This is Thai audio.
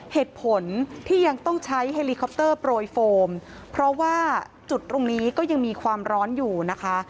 เหตุผลที่ยังต้องใช้เฮลิคอปเตอร์โปรยโฟมเพราะว่าจุดตรงนี้ก็ยังมีความร้อนอยู่นะคะ